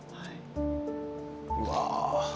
うわ。